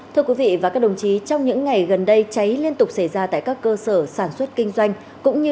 thưa quý vị và các đồng chí trong những ngày gần đây cháy liên tục xảy ra tại các cơ sở sản xuất kinh doanh cũng như